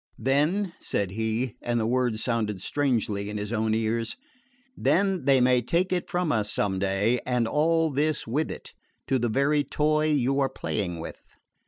"Then," said he and the words sounded strangely in his own ears "then they may take it from us some day and all this with it, to the very toy you are playing with."